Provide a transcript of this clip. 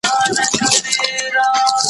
کبرجن د خداى دښمن دئ.